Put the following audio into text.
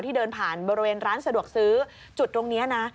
เดินผ่านบริเวณร้านสะดวกซื้อจุดตรงนี้นะ